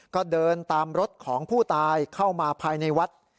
ก็เดินตามรถของผู้ตายเข้ามาภายในวัด